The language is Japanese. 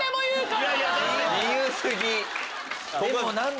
自由過ぎ！